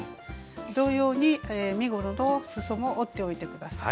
同様に身ごろのすそも折っておいて下さい。